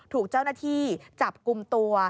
ถูกเจ้าหน้าที่จับกลุ่มตัว